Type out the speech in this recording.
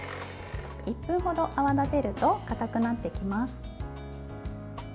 １分ほど泡立てるとかたくなってきます。